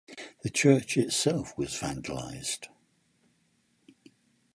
The church itself was vandalized.